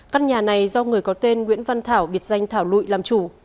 căn nhà này do người có tên nguyễn văn thảo biệt danh thảo lụy làm chủ